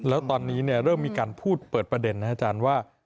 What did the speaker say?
แล้วตอนนี้เริ่มมีการพูดเปิดประเด็นนะอาจารย์ว่า